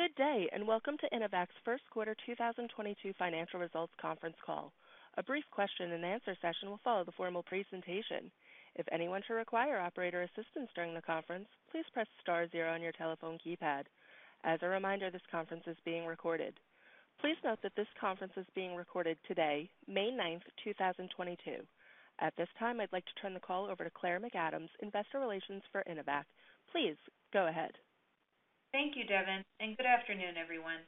Good day, and welcome to Intevac's Q1 2022 financial results conference call. A brief question and answer session will follow the formal presentation. If anyone should require operator assistance during the conference, please press star zero on your telephone keypad. As a reminder, this conference is being recorded. Please note that this conference is being recorded today, May 9, 2022. At this time, I'd like to turn the call over to Claire McAdams, Investor Relations for Intevac. Please go ahead. Thank you, Devin, and good afternoon, everyone.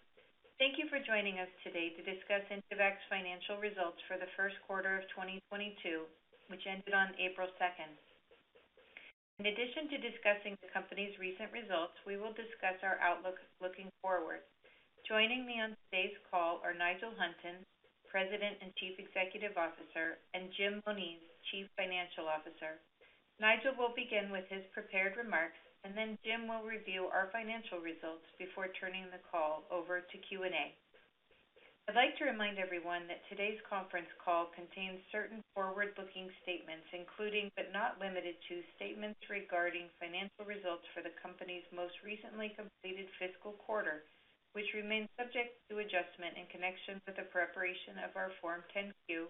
Thank you for joining us today to discuss Intevac's financial results for the Q1 of 2022, which ended on April 2. In addition to discussing the company's recent results, we will discuss our outlook looking forward. Joining me on today's call are Nigel Hunton, President and Chief Executive Officer, and Jim Moniz, Chief Financial Officer. Nigel will begin with his prepared remarks, and then Jim will review our financial results before turning the call over to Q&A. I'd like to remind everyone that today's conference call contains certain forward-looking statements, including, but not limited to, statements regarding financial results for the company's most recently completed fiscal quarter, which remain subject to adjustment in connection with the preparation of our Form 10-Q,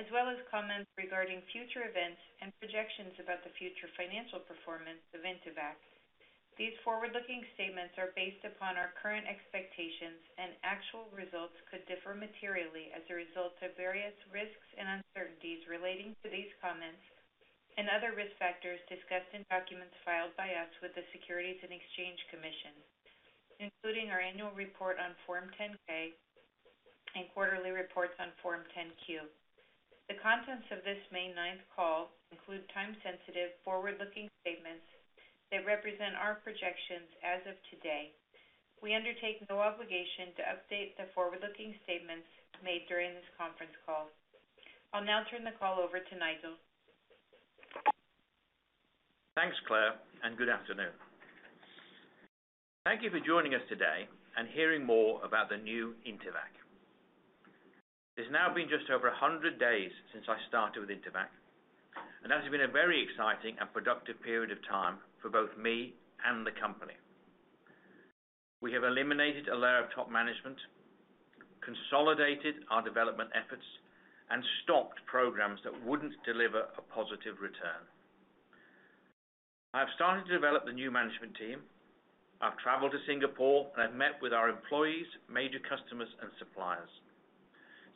as well as comments regarding future events and projections about the future financial performance of Intevac. These forward-looking statements are based upon our current expectations and actual results could differ materially as a result of various risks and uncertainties relating to these comments and other risk factors discussed in documents filed by us with the Securities and Exchange Commission, including our annual report on Form 10-K and quarterly reports on Form 10-Q. The contents of this May ninth call include time-sensitive, forward-looking statements that represent our projections as of today. We undertake no obligation to update the forward-looking statements made during this conference call. I'll now turn the call over to Nigel. Thanks, Claire, and good afternoon. Thank you for joining us today and hearing more about the new Intevac. It's now been just over 100 days since I started with Intevac, and that has been a very exciting and productive period of time for both me and the company. We have eliminated a layer of top management, consolidated our development efforts, and stopped programs that wouldn't deliver a positive return. I have started to develop the new management team. I've traveled to Singapore, and I've met with our employees, major customers, and suppliers.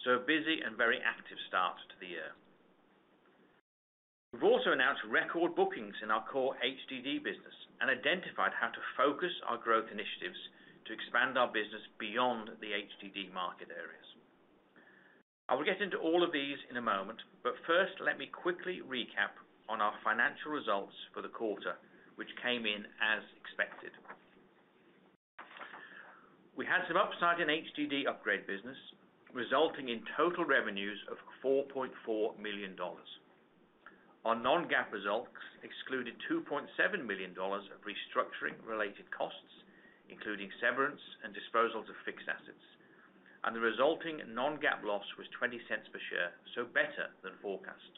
A busy and very active start to the year. We've also announced record bookings in our core HDD business and identified how to focus our growth initiatives to expand our business beyond the HDD market areas. I will get into all of these in a moment, but first, let me quickly recap on our financial results for the quarter, which came in as expected. We had some upside in HDD upgrade business, resulting in total revenues of $4.4 million. Our non-GAAP results excluded $2.7 million of restructuring related costs, including severance and disposal of fixed assets. The resulting non-GAAP loss was $0.20 per share, so better than forecast.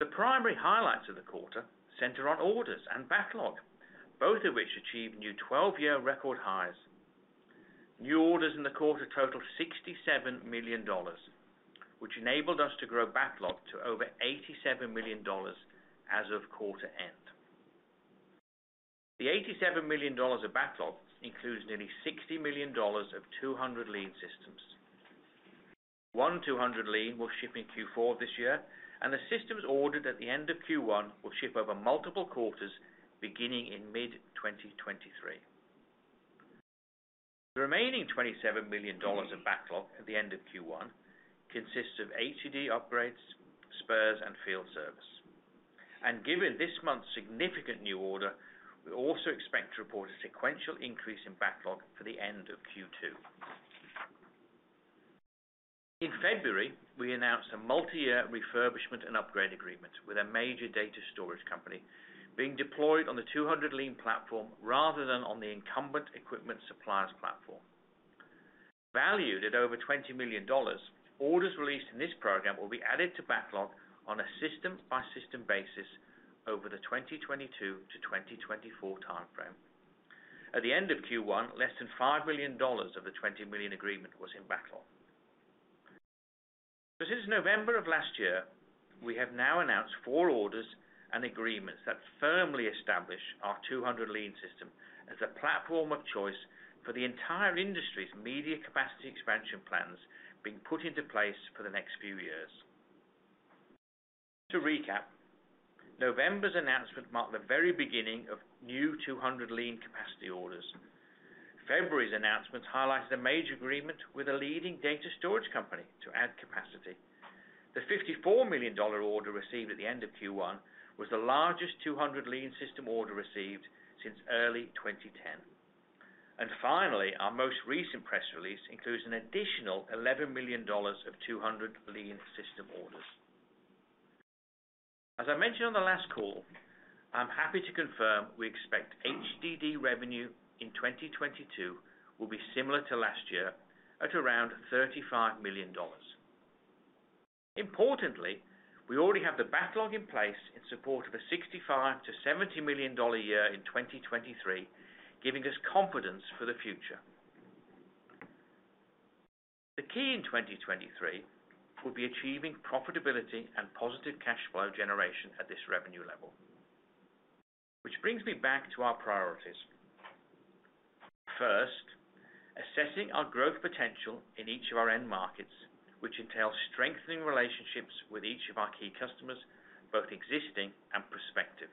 The primary highlights of the quarter center on orders and backlog, both of which achieved new 12-year record highs. New orders in the quarter totaled $67 million, which enabled us to grow backlog to over $87 million as of quarter end. The $87 million of backlog includes nearly $60 million of 200 Lean systems. 200 Lean will ship in Q4 this year, and the systems ordered at the end of Q1 will ship over multiple quarters, beginning in mid-2023. The remaining $27 million of backlog at the end of Q1 consists of HDD upgrades, spares, and field service. Given this month's significant new order, we also expect to report a sequential increase in backlog for the end of Q2. In February, we announced a multi-year refurbishment and upgrade agreement with a major data storage company being deployed on the 200 Lean platform rather than on the incumbent equipment supplier's platform. Valued at over $20 million, orders released in this program will be added to backlog on a system-by-system basis over the 2022 to 2024 time frame. At the end of Q1, less than $5 million of the $20 million agreement was in backlog. Since November of last year, we have now announced 4 orders and agreements that firmly establish our 200 Lean system as a platform of choice for the entire industry's media capacity expansion plans being put into place for the next few years. To recap, November's announcement marked the very beginning of new 200 Lean capacity orders. February's announcements highlighted a major agreement with a leading data storage company to add capacity. The $54 million order received at the end of Q1 was the largest 200 Lean system order received since early 2010. Finally, our most recent press release includes an additional $11 million of 200 Lean system orders. As I mentioned on the last call, I'm happy to confirm we expect HDD revenue in 2022 will be similar to last year at around $35 million. Importantly, we already have the backlog in place in support of a $65-$70 million dollars a year in 2023, giving us confidence for the future. The key in 2023 will be achieving profitability and positive cash flow generation at this revenue level. Which brings me back to our priorities. First, assessing our growth potential in each of our end markets, which entails strengthening relationships with each of our key customers, both existing and prospective.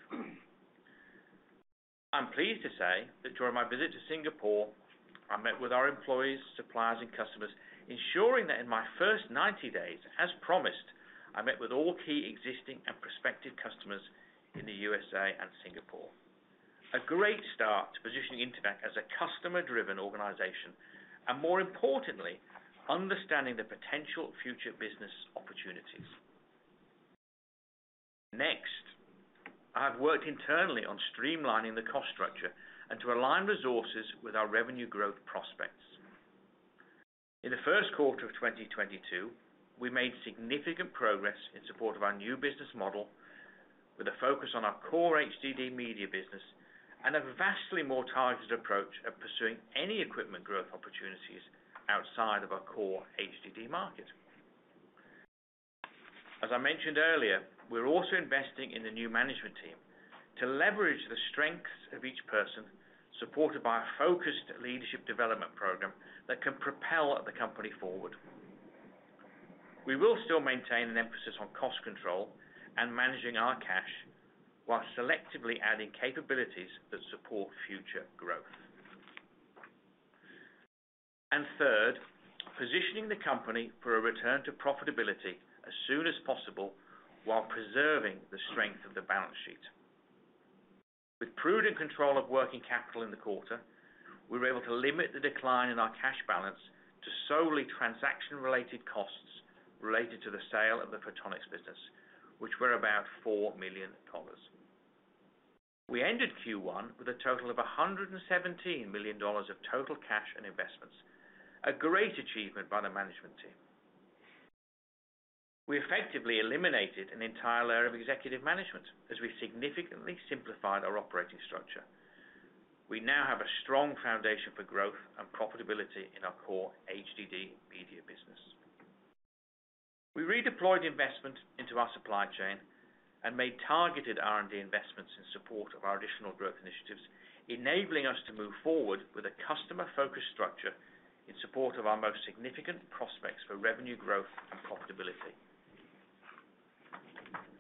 I'm pleased to say that during my visit to Singapore, I met with our employees, suppliers, and customers, ensuring that in my first 90 days, as promised, I met with all key existing and prospective customers in the USA and Singapore. A great start to positioning Intevac as a customer-driven organization, and more importantly, understanding the potential future business opportunities. Next, I've worked internally on streamlining the cost structure and to align resources with our revenue growth prospects. In the Q1 of 2022, we made significant progress in support of our new business model with a focus on our core HDD media business and a vastly more targeted approach of pursuing any equipment growth opportunities outside of our core HDD market. As I mentioned earlier, we're also investing in the new management team to leverage the strengths of each person, supported by a focused leadership development program that can propel the company forward. We will still maintain an emphasis on cost control and managing our cash while selectively adding capabilities that support future growth. Third, positioning the company for a return to profitability as soon as possible while preserving the strength of the balance sheet. With prudent control of working capital in the quarter, we were able to limit the decline in our cash balance to solely transaction-related costs related to the sale of the Photonics business, which were about $4 million. We ended Q1 with a total of $117 million of total cash and investments, a great achievement by the management team. We effectively eliminated an entire area of executive management as we significantly simplified our operating structure. We now have a strong foundation for growth and profitability in our core HDD media business. We redeployed the investment into our supply chain and made targeted R&D investments in support of our additional growth initiatives, enabling us to move forward with a customer-focused structure in support of our most significant prospects for revenue growth and profitability.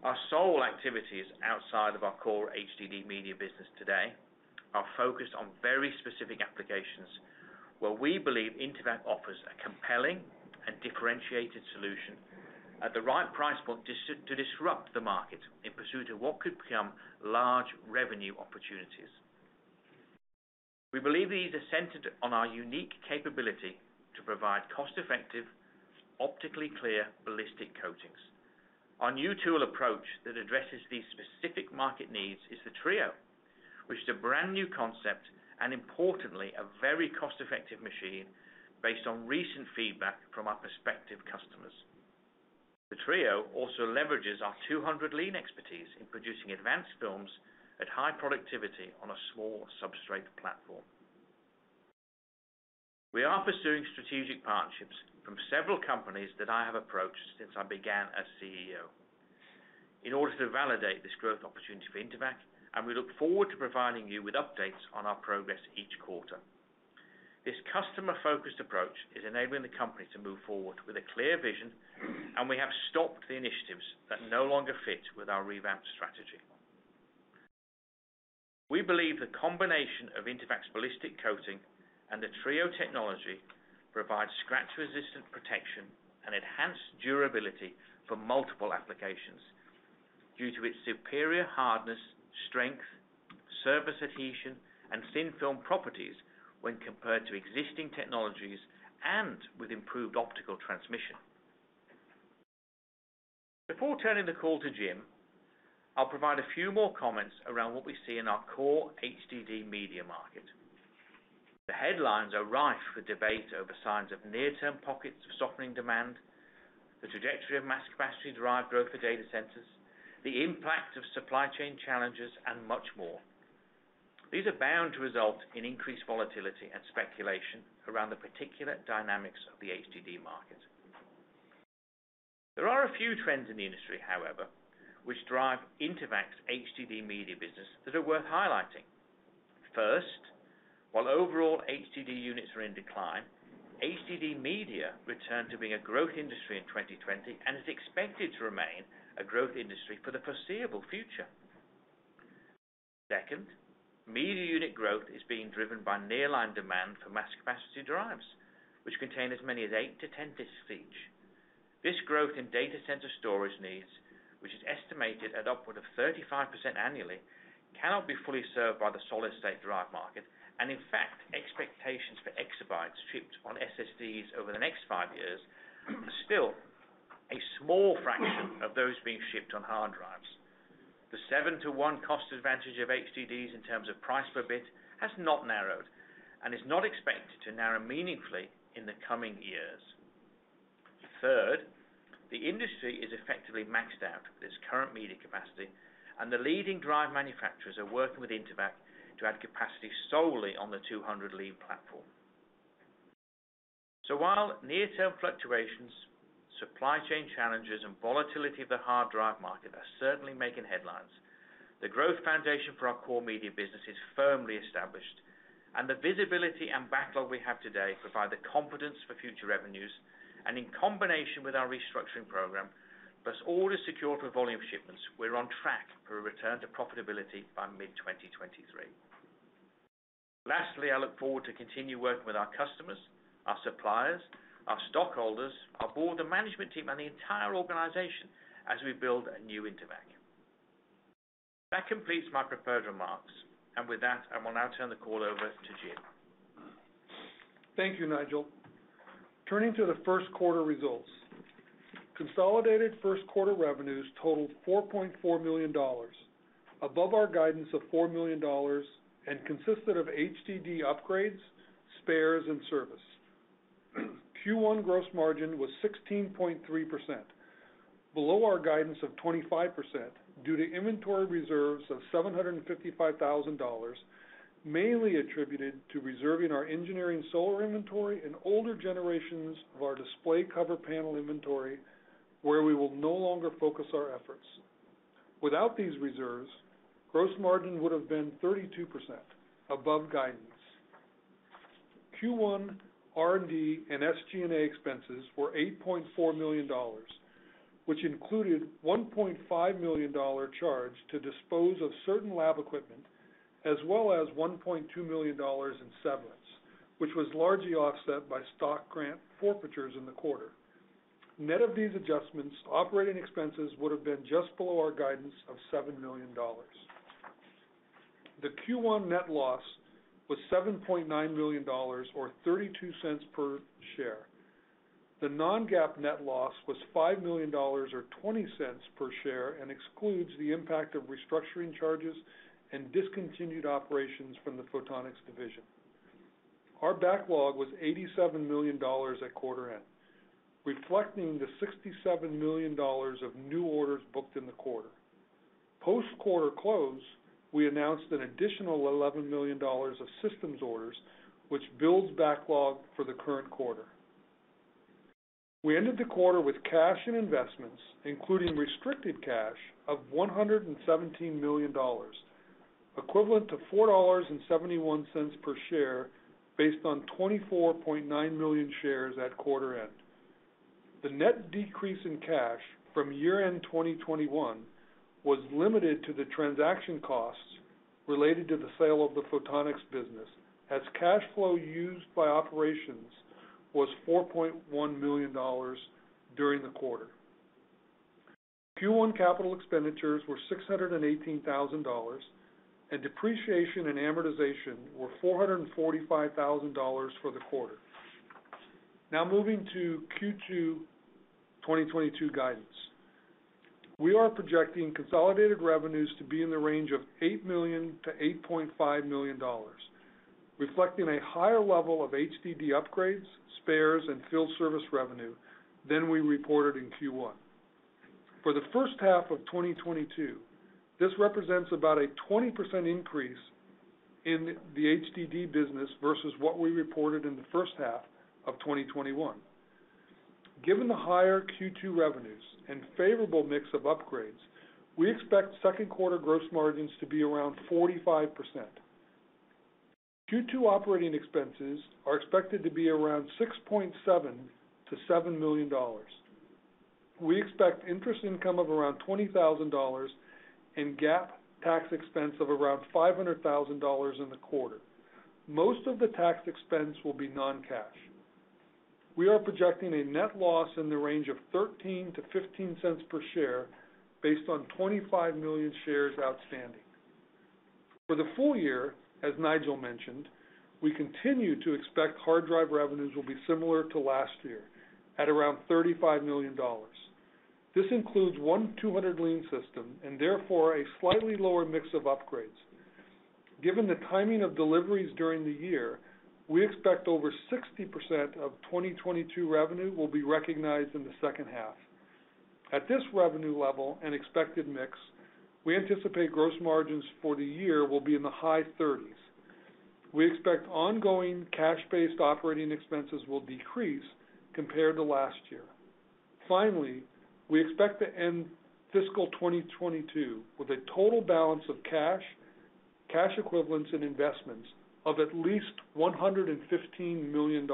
Our sole activities outside of our core HDD media business today are focused on very specific applications where we believe Intevac offers a compelling and differentiated solution at the right price point to disrupt the market in pursuit of what could become large revenue opportunities. We believe these are centered on our unique capability to provide cost-effective, optically clear ballistic coatings. Our new tool approach that addresses these specific market needs is the Trio, which is a brand-new concept and importantly, a very cost-effective machine based on recent feedback from our prospective customers. The TRIO also leverages our 200 Lean expertise in producing advanced films at high productivity on a small substrate platform. We are pursuing strategic partnerships from several companies that I have approached since I began as CEO in order to validate this growth opportunity for Intevac, and we look forward to providing you with updates on our progress each quarter. This customer-focused approach is enabling the company to move forward with a clear vision, and we have stopped the initiatives that no longer fit with our revamped strategy. We believe the combination of Intevac's ballistic coating and the TRIO technology provides scratch-resistant protection and enhanced durability for multiple applications due to its superior hardness, strength, surface adhesion, and thin film properties when compared to existing technologies and with improved optical transmission. Before turning the call to Jim, I'll provide a few more comments around what we see in our core HDD media market. The headlines are rife with debate over signs of near-term pockets of softening demand, the trajectory of mass capacity derived growth for data centers, the impact of supply chain challenges, and much more. These are bound to result in increased volatility and speculation around the particular dynamics of the HDD market. There are a few trends in the industry, however, which drive Intevac's HDD media business that are worth highlighting. First, while overall HDD units are in decline, HDD media returned to being a growth industry in 2020 and is expected to remain a growth industry for the foreseeable future. Second, media unit growth is being driven by nearline demand for mass capacity drives, which contain as many as 8-10 disks each. This growth in data center storage needs, which is estimated at upward of 35% annually, cannot be fully served by the solid-state drive market. In fact, expectations for exabytes shipped on SSDs over the next 5 years are still a small fraction of those being shipped on hard drives. 7-to-1 cost advantage of HDDs in terms of price per bit has not narrowed and is not expected to narrow meaningfully in the coming years. Third, the industry is effectively maxed out with its current media capacity, and the leading drive manufacturers are working with Intevac to add capacity solely on the 200 Lean platform. While near-term fluctuations, supply chain challenges, and volatility of the hard drive market are certainly making headlines, the growth foundation for our core media business is firmly established, and the visibility and backlog we have today provide the confidence for future revenues. In combination with our restructuring program, plus orders secured for volume shipments, we're on track for a return to profitability by mid-2023. Lastly, I look forward to continue working with our customers, our suppliers, our stockholders, our board, the management team, and the entire organization as we build a new Intevac. That completes my prepared remarks. With that, I will now turn the call over to Jim. Thank you, Nigel. Turning to the Q1 results. Consolidated Q1 revenues totaled $4.4 million, above our guidance of $4 million, and consisted of HDD upgrades, spares, and service. Q1 gross margin was 16.3%, below our guidance of 25% due to inventory reserves of $755,000, mainly attributed to reserving our engineering solar inventory and older generations of our display cover panel inventory where we will no longer focus our efforts. Without these reserves, gross margin would have been 32% above guidance. Q1 R&D and SG&A expenses were $8.4 million, which included $1.5 million dollar charge to dispose of certain lab equipment, as well as $1.2 million in severance, which was largely offset by stock grant forfeitures in the quarter. Net of these adjustments, operating expenses would have been just below our guidance of $7 million. The Q1 net loss was $7.9 million or $0.32 per share. The non-GAAP net loss was $5 million or $0.20 per share and excludes the impact of restructuring charges and discontinued operations from the Photonics division. Our backlog was $87 million at quarter end, reflecting the $67 million of new orders booked in the quarter. Post quarter close, we announced an additional $11 million of systems orders, which builds backlog for the current quarter. We ended the quarter with cash and investments, including restricted cash of $117 million, equivalent to $4.71 per share based on 24.9 million shares at quarter end. The net decrease in cash from year-end 2021 was limited to the transaction costs related to the sale of the Photonics business, as cash flow used by operations was $4.1 million during the quarter. Q1 capital expenditures were $618,000, and depreciation and amortization were $445,000 for the quarter. Now moving to Q2 2022 guidance. We are projecting consolidated revenues to be in the range of $8 million-$8.5 million, reflecting a higher level of HDD upgrades, spares, and field service revenue than we reported in Q1. For the first half of 2022, this represents about a 20% increase in the HDD business versus what we reported in the first half of 2021. Given the higher Q2 revenues and favorable mix of upgrades, we expect Q2 gross margins to be around 45%. Q2 operating expenses are expected to be around $6.7 million-$7 million. We expect interest income of around $20,000 and GAAP tax expense of around $500,000 in the quarter. Most of the tax expense will be non-cash. We are projecting a net loss in the range of $0.13-$0.15 per share based on 25 million shares outstanding. For the full year, as Nigel mentioned, we continue to expect hard drive revenues will be similar to last year at around $35 million. This includes 1 200 Lean system and therefore a slightly lower mix of upgrades. Given the timing of deliveries during the year, we expect over 60% of 2022 revenue will be recognized in the second half. At this revenue level and expected mix, we anticipate gross margins for the year will be in the high 30s. We expect ongoing cash-based operating expenses will decrease compared to last year. Finally, we expect to end fiscal 2022 with a total balance of cash equivalents, and investments of at least $115 million.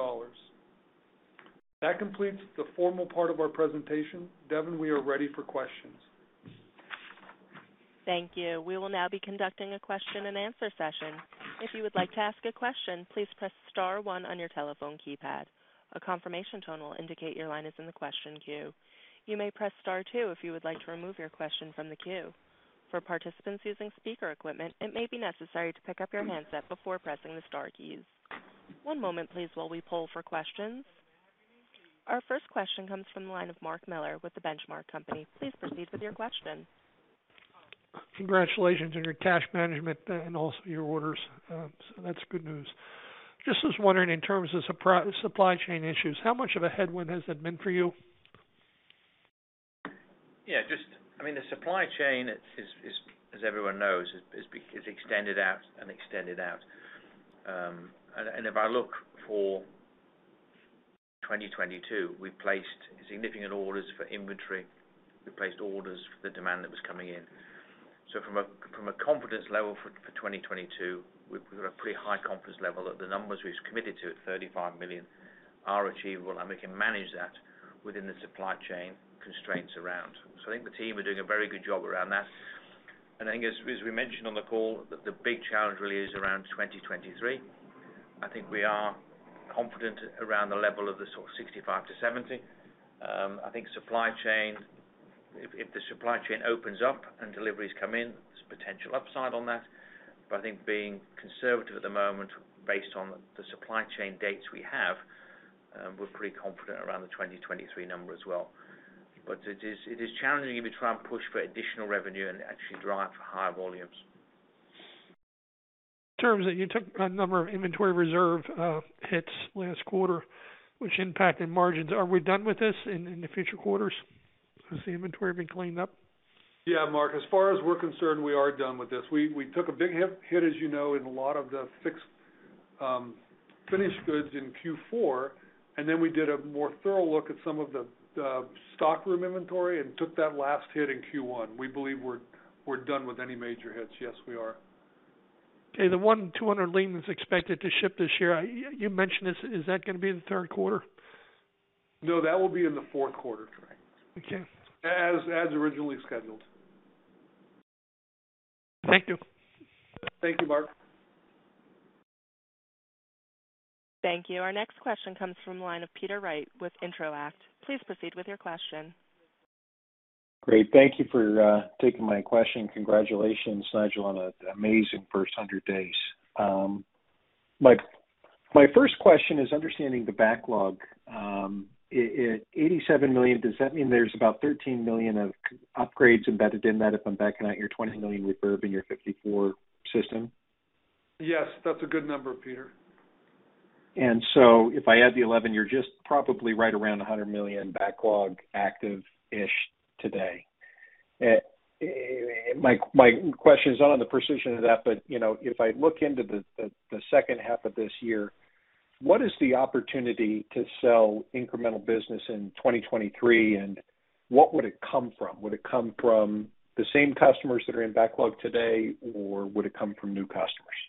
That completes the formal part of our presentation. Devin, we are ready for questions. Thank you. We will now be conducting a question and answer session. If you would like to ask a question, please press star one on your telephone keypad. A confirmation tone will indicate your line is in the question queue. You may press Star two if you would like to remove your question from the queue. For participants using speaker equipment, it may be necessary to pick up your handset before pressing the star keys. One moment, please, while we poll for questions. Our first question comes from the line of Mark Miller with The Benchmark Company. Please proceed with your question. Congratulations on your cash management and also your orders. That's good news. Just was wondering, in terms of supply chain issues, how much of a headwind has that been for you? Yeah, I mean, the supply chain, as everyone knows, is extended out. If I look for 2022, we placed significant orders for inventory. We placed orders for the demand that was coming in. From a confidence level for 2022, we're at a pretty high confidence level that the numbers we've committed to, at $35 million, are achievable, and we can manage that within the supply chain constraints around. I think the team are doing a very good job around that. I think as we mentioned on the call, the big challenge really is around 2023. I think we are confident around the level of the sort of $65 million-$70 million. I think supply chain, if the supply chain opens up and deliveries come in, there's potential upside on that. I think being conservative at the moment based on the supply chain dates we have, we're pretty confident around the 2023 number as well. It is challenging if you try and push for additional revenue and actually drive higher volumes. In terms of you took a number of inventory reserve hits last quarter, which impacted margins. Are we done with this in the future quarters? Has the inventory been cleaned up? Yeah, Mark, as far as we're concerned, we are done with this. We took a big hit, as you know, in a lot of the excess finished goods in Q4, and then we did a more thorough look at some of the stockroom inventory and took that last hit in Q1. We believe we're done with any major hits. Yes, we are. Okay. The 200 Lean that's expected to ship this year, you mentioned this. Is that gonna be in the Q3? No, that will be in the Q4. Okay. As originally scheduled. Thank you. Thank you, Mark. Thank you. Our next question comes from the line of Peter Wright with Intro-act. Please proceed with your question. Great. Thank you for taking my question. Congratulations, Nigel, on an amazing first 100 days. My first question is understanding the backlog. $87 million, does that mean there's about $13 million of upgrades embedded in that if I'm backing out your $20 million refurb in your $54 million system? Yes, that's a good number, Peter. If I add the 11, you're just probably right around a $100 million backlog active-ish today. My question is not on the precision of that, but you know, if I look into the second half of this year, what is the opportunity to sell incremental business in 2023, and what would it come from? Would it come from the same customers that are in backlog today, or would it come from new customers?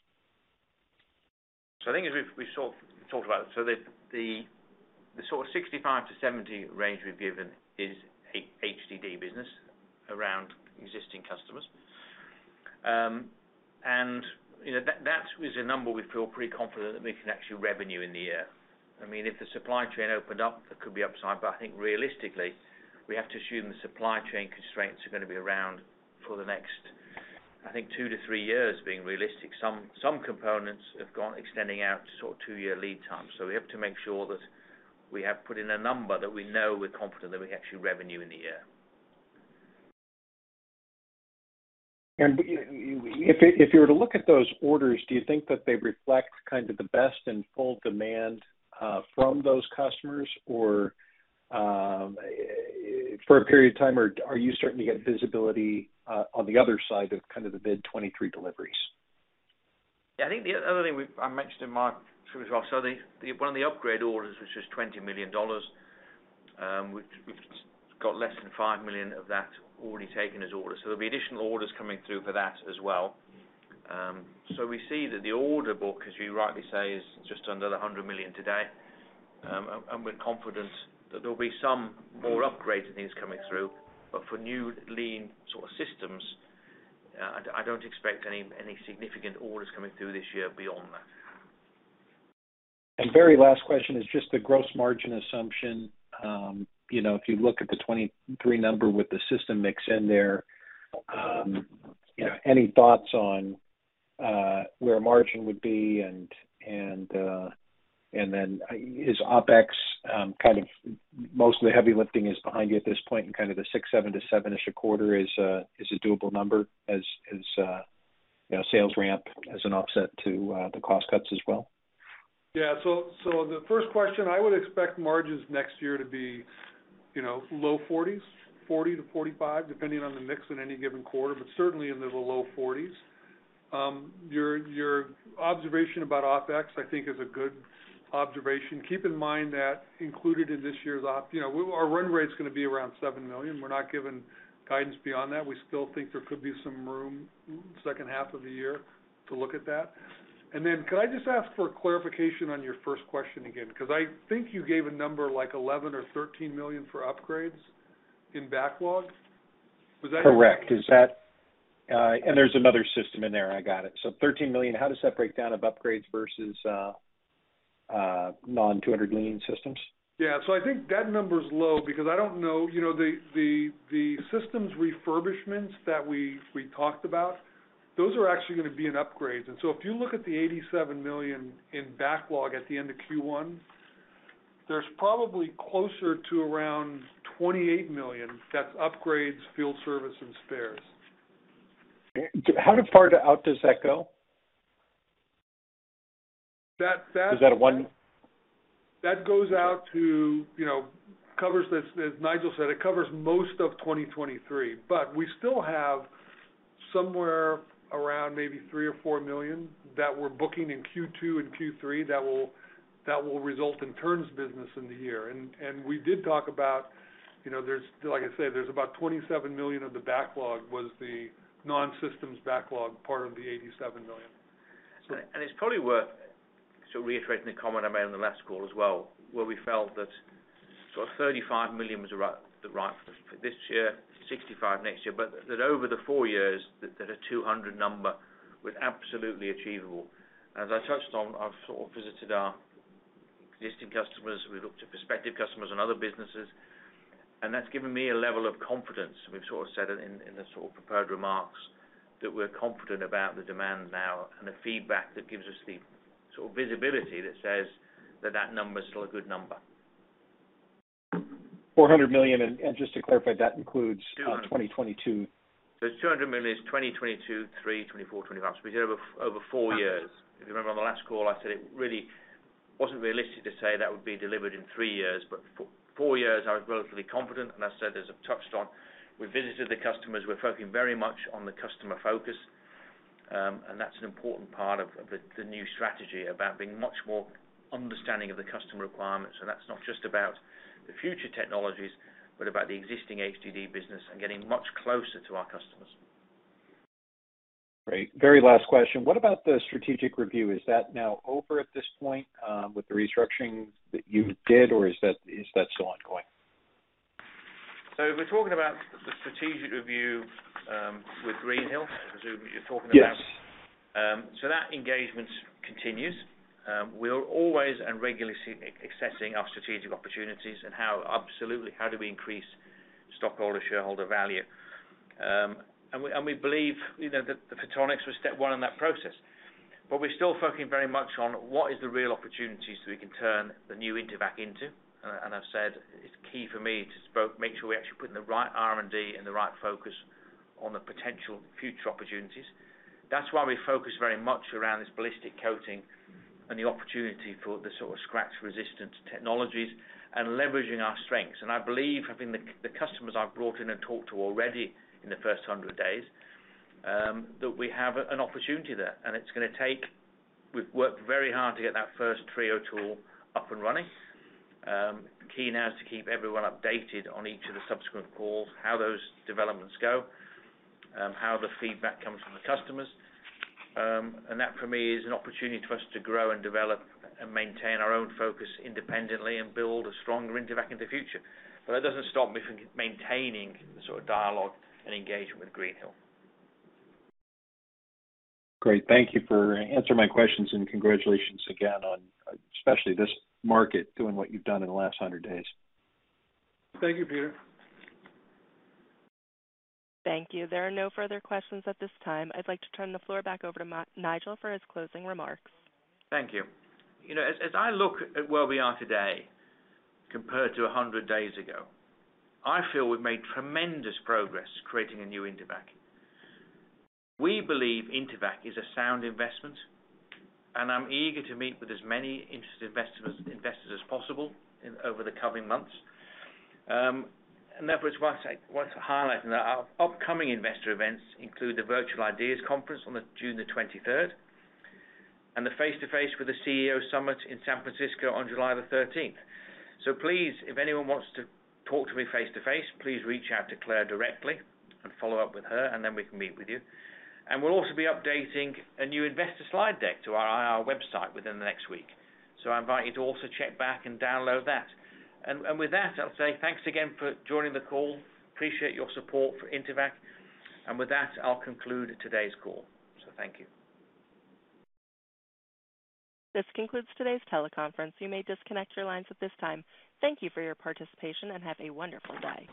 I think as we've sort of talked about, the sort of $65-$70 range we've given is HDD business around existing customers. You know, that is a number we feel pretty confident that we can actually revenue in the year. I mean, if the supply chain opened up, there could be upside, but I think realistically, we have to assume the supply chain constraints are gonna be around for the next, I think, 2-3 years being realistic. Some components have gone extending out sort of 2-year lead time. We have to make sure that we have put in a number that we know we're confident that we actually revenue in the year. If you were to look at those orders, do you think that they reflect kind of the best and full demand from those customers? Or for a period of time, are you starting to get visibility on the other side of kind of the mid 2023 deliveries? Yeah, I think the other thing I mentioned to Mark as well. One of the upgrade orders, which is $20 million, we've got less than $5 million of that already taken as orders. There'll be additional orders coming through for that as well. We see that the order book, as you rightly say, is just under $100 million today. We're confident that there'll be some more upgraded things coming through. For new 200 Lean sort of systems, I don't expect any significant orders coming through this year beyond that. Very last question is just the gross margin assumption. You know, if you look at the 2023 number with the system mix in there, you know, any thoughts on where margin would be and then is OpEx kind of mostly heavy lifting is behind you at this point, and kind of the $6-7 to $7-ish a quarter is a doable number as you know, sales ramp as an offset to the cost cuts as well? The first question, I would expect margins next year to be, you know, low 40s, 40%-45%, depending on the mix in any given quarter, but certainly in the low 40s. Your observation about OpEx, I think is a good observation. Keep in mind that included in this year's OpEx, you know, our run rate's gonna be around $7 million. We're not giving guidance beyond that. We still think there could be some room second half of the year to look at that. Could I just ask for clarification on your first question again? Because I think you gave a number like $11 million or $13 million for upgrades in backlog. Was that- Correct. Is that and there's another system in there. I got it. $13 million, how does that break down of upgrades versus non-200 Lean systems? Yeah. I think that number's low because I don't know, you know, the systems refurbishments that we talked about. Those are actually gonna be in upgrades. If you look at the $87 million in backlog at the end of Q1, there's probably closer to around $28 million that's upgrades, field service, and spares. How far out does that go? That. Is that a one? That goes out to, you know, covers this. As Nigel said, it covers most of 2023, but we still have somewhere around maybe $3 million or $4 million that we're booking in Q2 and Q3 that will result in terms business in the year. We did talk about, you know, there's, like I said, there's about $27 million of the backlog was the non-systems backlog, part of the $87 million. It's probably worth sort of reiterating the comment I made on the last call as well, where we felt that sort of $35 million was around the right for this year, $65 million next year. That over the 4 years that a $200 million number was absolutely achievable. As I touched on, I've sort of visited our existing customers. We've looked at prospective customers and other businesses, and that's given me a level of confidence. We've sort of said it in the sort of prepared remarks that we're confident about the demand now and the feedback that gives us the sort of visibility that says that that number is still a good number. $400 million, and just to clarify, that includes 200. 2022. $200 million is 2022, 2023, 2024, 2025. We did it over 4 years. If you remember on the last call, I said it really wasn't realistic to say that would be delivered in 3 years, but 4 years, I was relatively confident. I said, as I've touched on, we visited the customers, we're focusing very much on the customer focus, and that's an important part of the new strategy about being much more understanding of the customer requirements. That's not just about the future technologies, but about the existing HDD business and getting much closer to our customers. Great. Very last question. What about the strategic review? Is that now over at this point with the restructuring that you did, or is that still ongoing? If we're talking about the strategic review with Greenhill, I presume you're talking about. Yes. That engagement continues. We are always and regularly assessing our strategic opportunities and how absolutely, how do we increase stockholder, shareholder value. We believe, you know, that the Photonics was step one in that process, but we're still focusing very much on what is the real opportunities so we can turn the new Intevac into. I've said it's key for me to make sure we're actually putting the right R&D and the right focus on the potential future opportunities. That's why we focus very much around this ballistic coating and the opportunity for the sort of scratch-resistant technologies and leveraging our strengths. I believe, having the customers I've brought in and talked to already in the first 100 days, that we have an opportunity there, and it's gonna take. We've worked very hard to get that first TRIO tool up and running. Key now is to keep everyone updated on each of the subsequent calls, how those developments go, how the feedback comes from the customers. That for me is an opportunity for us to grow and develop and maintain our own focus independently and build a stronger Intevac in the future. That doesn't stop me from maintaining the sort of dialogue and engagement with Greenhill. Great. Thank you for answering my questions and congratulations again on, especially this market, doing what you've done in the last 100 days. Thank you, Peter. Thank you. There are no further questions at this time. I'd like to turn the floor back over to Nigel for his closing remarks. Thank you. You know, as I look at where we are today compared to 100 days ago, I feel we've made tremendous progress creating a new Intevac. We believe Intevac is a sound investment, and I'm eager to meet with as many interested investors as possible over the coming months. Therefore I want to highlight our upcoming investor events include the Virtual IDEAS Conference on June 23, and the Face to Face with the CEO Summit in San Francisco on July 13. Please, if anyone wants to talk to me face to face, please reach out to Claire directly and follow up with her, and then we can meet with you. We'll also be updating a new investor slide deck to our IR website within the next week. I invite you to also check back and download that. With that, I'll say thanks again for joining the call. Appreciate your support for Intevac. With that, I'll conclude today's call. Thank you. This concludes today's teleconference. You may disconnect your lines at this time. Thank you for your participation, and have a wonderful day.